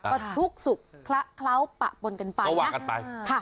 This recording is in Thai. ก็ทุกข์สุขคล้าวปะปนกันไปนะ